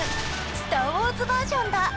「スター・ウォーズ」バージョンだ。